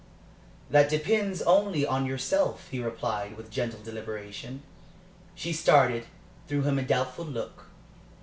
"That depends only on yourself," he replied, with gentle deliberation. She started threw him a doubtful look.